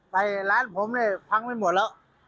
ไอ้ร้านผมเนี่ยพังไปหมดแล้ว